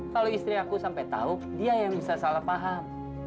kalau istri aku sampai tahu dia yang bisa salah paham